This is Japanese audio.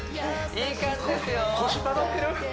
いい感じですよ